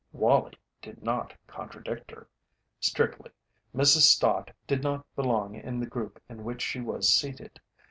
Wallie did not contradict her. Strictly, Mrs. Stott did not belong in the group in which she was seated.